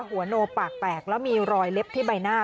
หัวโนปากแตกแล้วมีรอยเล็บที่ใบหน้า